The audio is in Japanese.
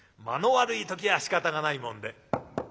間の悪い時はしかたがないもんで。